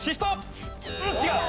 違う。